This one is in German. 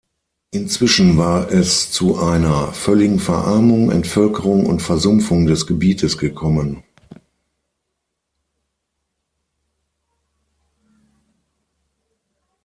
Inzwischen war es zu einer völligen Verarmung, Entvölkerung und Versumpfung des Gebietes gekommen.